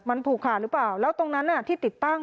มันผูกขาดหรือเปล่าแล้วตรงนั้นที่ติดตั้ง